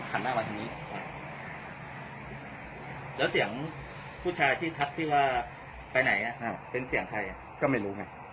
คราวนี้คือเปลี่ยนแล้วไป